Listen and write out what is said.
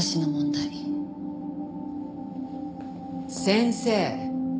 先生。